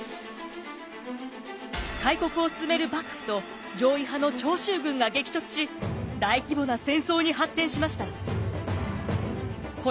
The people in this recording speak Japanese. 開国を進める幕府と攘夷派の長州軍が激突し大規模な戦争に発展しました。